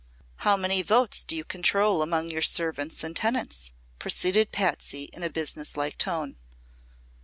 "How many votes do you control among your servants and tenants?" proceeded Patsy, in a business like tone.